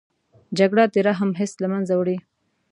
جګړه د رحم حس له منځه وړي